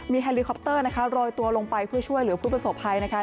แฮลิคอปเตอร์นะคะโรยตัวลงไปเพื่อช่วยเหลือผู้ประสบภัยนะคะ